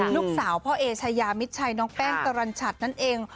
ลูกสาวพ่อเอชายามิดชัยน้องแป้งสรรชัดนั่นเอง